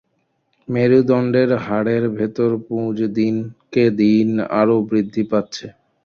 মেরুদণ্ডের হাড়ের ভেতর পুঁজ দিনকে দিন আরও বৃদ্ধি পাচ্ছে।